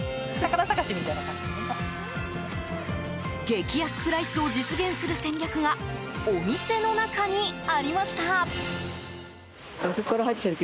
激安プライスを実現する戦略がお店の中にありました。